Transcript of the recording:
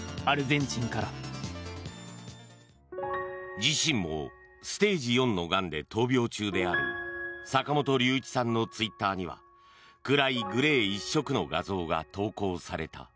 自身もステージ４のがんで闘病中である坂本龍一さんのツイッターには暗いグレー一色の画像が投稿された。